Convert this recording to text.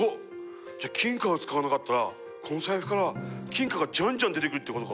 じゃあ金貨を使わなかったらこの財布から金貨がじゃんじゃん出てくるってことか。